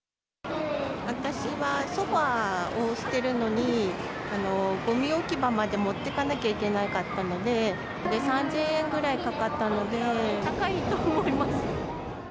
私はソファを捨てるのに、ごみ置き場まで持ってかなきゃいけなかったので、３０００円ぐらいかかったので、高いと思います。